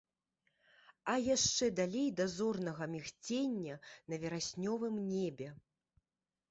А яшчэ далей да зорнага мігцення на вераснёвым небе.